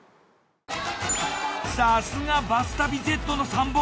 さすが「バス旅Ｚ」の参謀。